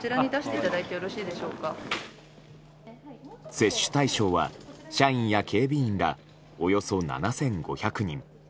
接種対象は社員や警備員らおよそ７５００人。